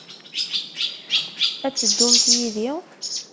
Ad teddumt yid-i?